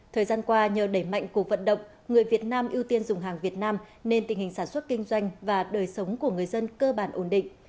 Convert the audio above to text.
thời gian qua nhờ đẩy mạnh cuộc vận động người việt nam ưu tiên dùng hàng việt nam nên tình hình sản xuất kinh doanh và đời sống của người dân cơ bản ổn định